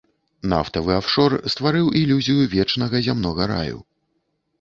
Нафтавы афшор стварыў ілюзію вечнага зямнога раю.